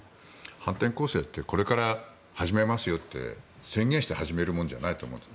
反転攻勢ってこれから始めますよって宣言して始めるものじゃないと思うんです。